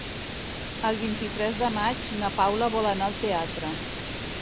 El vint-i-tres de maig na Paula vol anar al teatre.